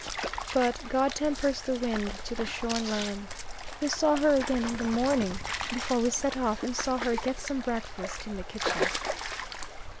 But "God tempers the wind to the shorn lamb." We saw her again in the morning before we set off, and saw her get some breakfast in the kitchen.